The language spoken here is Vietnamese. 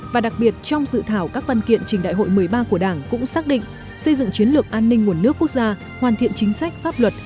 và đặc biệt trong dự thảo các văn kiện trình đại hội một mươi ba của đảng cũng xác định xây dựng chiến lược an ninh nguồn nước quốc gia hoàn thiện chính sách pháp luật